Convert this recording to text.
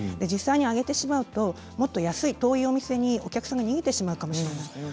実際に上げてしまうともっと安い遠いお店にお客さんが逃げてしまうこともあります。